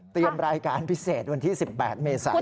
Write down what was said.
เตรียมรายการพิเศษวันที่๑๘เมษายน